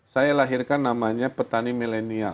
saya lahirkan namanya petani milenial